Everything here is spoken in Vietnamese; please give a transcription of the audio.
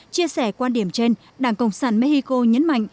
chia sẻ quan điểm trên đảng cộng sản mexico nhấn mạnh